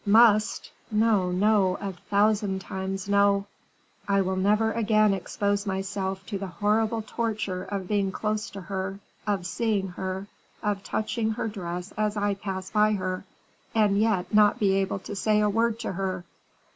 "Must? no, no a thousand times no! I will never again expose myself to the horrible torture of being close to her, of seeing her, of touching her dress as I pass by her, and yet not be able to say a word to her.